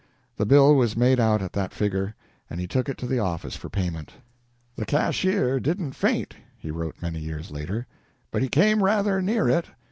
The bill was made out at that figure, and he took it to the office for payment. "The cashier didn't faint," he wrote many years later, "but he came rather near it.